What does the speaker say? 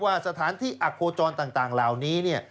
ว่าสถานที่อักโฆจรต่างลาวนี้เนี่ย